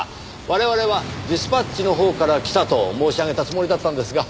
我々はディスパッチのほうから来たと申し上げたつもりだったんですが。